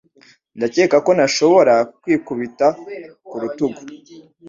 Ndakeka ko ntashobora kwikubita ku rutugu